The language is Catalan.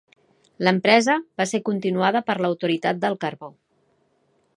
L'empresa va ser continuada per l'Autoritat del Carbó.